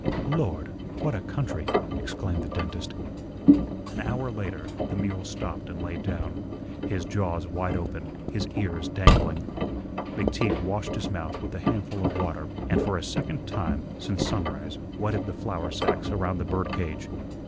"LORD! what a country!" exclaimed the dentist. An hour later, the mule stopped and lay down, his jaws wide open, his ears dangling. McTeague washed his mouth with a handful of water and for a second time since sunrise wetted the flour sacks around the bird cage.